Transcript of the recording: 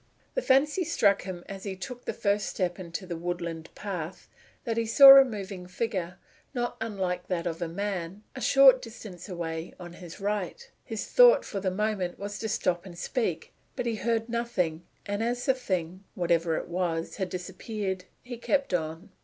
The fancy struck him as he took the first step into the woodland path, that he saw a moving figure, not unlike that of a man, a short distance away on his right hand. His thought for the moment was to stop and speak, but he heard nothing; and as the thing, whatever it was, had disappeared, he kept on.